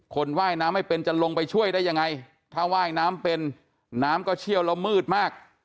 ว่ายน้ำไม่เป็นจะลงไปช่วยได้ยังไงถ้าว่ายน้ำเป็นน้ำก็เชี่ยวแล้วมืดมาก